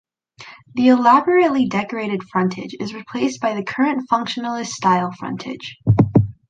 The elaborately decorated frontage is replaced by the current functionalist style frontage.